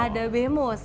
ada bemo sih